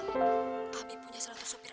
waktu abi masih ada